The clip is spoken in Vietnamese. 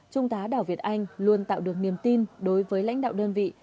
trung tá đào việt anh luôn tạo được niềm tin đối với lãnh đạo đơn vị